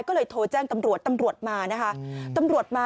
ก็เลยโทรแจ้งตำรวจมา